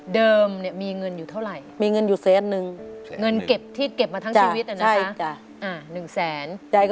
เดิมเนี่ยมีเงินอยู่เท่าไหร่